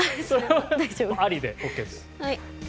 はい。